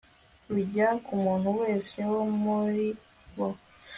rujya ku muntu wese wo muri bo